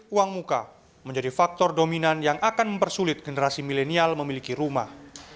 uang muka menjadi faktor dominan yang akan mempersulit generasi milenial memiliki rumah